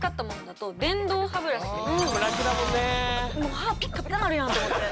「歯ピッカピカなるやん」と思って。